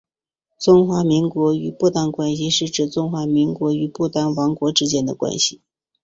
中华民国与不丹关系是指中华民国与不丹王国之间的关系。